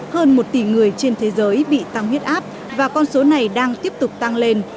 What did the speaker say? hơn một tỷ người trên thế giới bị tăng huyết áp và con số này đang tiếp tục tăng lên